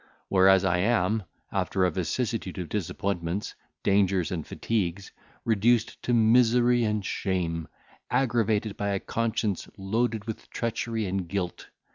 Whereas I am, after a vicissitude of disappointments, dangers, and fatigues, reduced to misery and shame, aggravated by a conscience loaded with treachery and guilt.